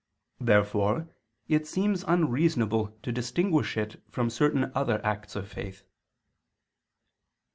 Therefore it seems unreasonable to distinguish it from certain other acts of faith.